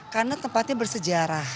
karena tempatnya bersejarah